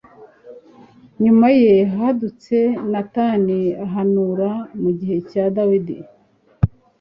nyuma ye, hadutse natani ahanura mu gihe cya dawudi